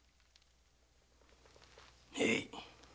へい。